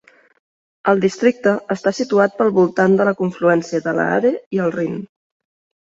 El districte està situat pel voltant de la confluència de l'Aare i el Rin.